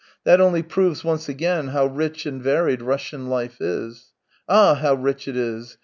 " That only proves once again how rich and varied Russian life is. Ah, how rich it is